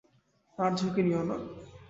আর ঝুঁকি নিও না।